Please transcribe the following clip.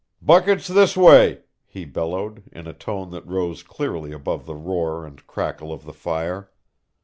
"Buckets this way!" he bellowed, in a tone that rose clearly above the roar and crackle of the fire.